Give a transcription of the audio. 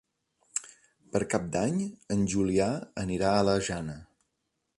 Per Cap d'Any en Julià anirà a la Jana.